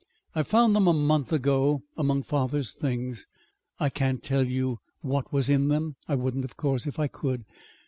I found them a month ago among father's things. I can't tell you what was in them. I wouldn't, of course, if I could.